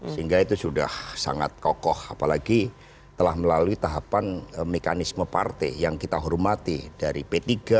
sehingga itu sudah sangat kokoh apalagi telah melalui tahapan mekanisme partai yang kita hormati dari p tiga